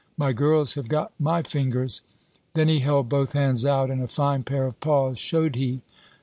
My girls have got my fingers!" Then he held both hands out, and a fine pair of paws shewed he.